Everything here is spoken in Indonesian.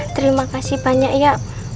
terima kasih banyak ya